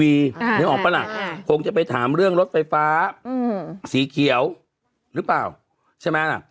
นึกออกปะล่ะคงจะไปถามเรื่องรถไฟฟ้าสีเขียวหรือเปล่าใช่ไหมล่ะ